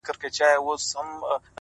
که نور څوک نسته سته څه يې کوې شېرينې _